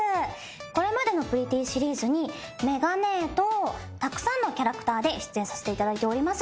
これまでのプリティーシリーズにめが姉ぇとたくさんのキャラクターで出演させていただいております。